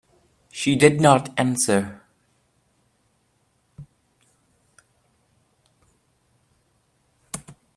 She did not answer.